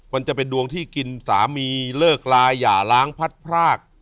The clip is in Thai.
มันจะเป็นดวงที่กินสามีเลิกลายอย่าล้างพัดพราก